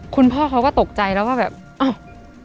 คุณพ่อเขาก็ตกใจแล้วว่าแบบอ้าว